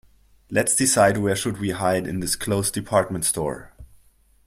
Let's decide where should we hide in this closed department store.